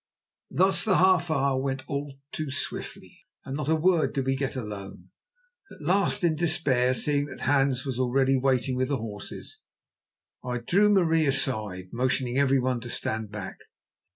Thus the half hour went all too swiftly, and not a word did we get alone. At last in despair, seeing that Hans was already waiting with the horses, I drew Marie aside, motioning to everyone to stand back.